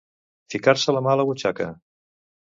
Ficar-se la mà a la butxaca.